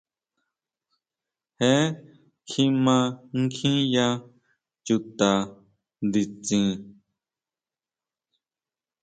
Je kjima nkjiya chuta nditsin.